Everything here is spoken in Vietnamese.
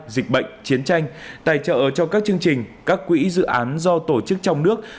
dịch bệnh chiến tranh tài trợ cho các chương trình các quỹ dự án do tổ chức trong nước